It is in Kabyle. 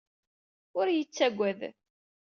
Ur yettagad.